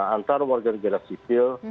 antara warga negara sivil